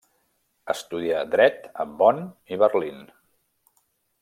Estudià dret a Bonn i Berlín.